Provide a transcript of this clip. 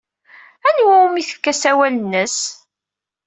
Anwa umi tefka asawal-nnes?